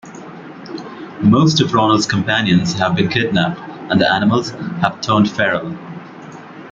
Most of Ronald's companions have been kidnapped, and the animals have turned feral.